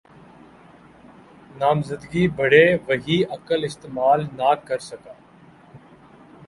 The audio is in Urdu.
نامزدگی بھرے، وہی عقل استعمال نہ کر سکا۔